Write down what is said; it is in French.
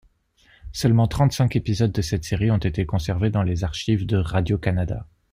Seulement trente-cinq épisodes de cette série ont été conservés dans les archives de Radio-Canada.